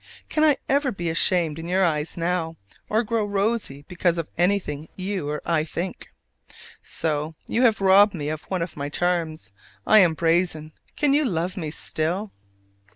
Can I ever be ashamed in your eyes now, or grow rosy because of anything you or I think? So! you have robbed me of one of my charms: I am brazen. Can you love me still?